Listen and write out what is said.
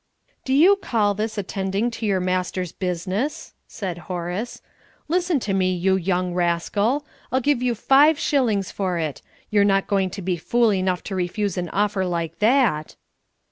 "Do you call this attending to your master's business?" said Horace. "Listen to me, you young rascal. I'll give you five shillings for it. You're not going to be fool enough to refuse an offer like that?"